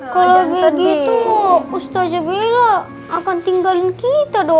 kalo begitu ustad bela akan tinggalin kita dong